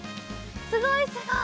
すごいすごい！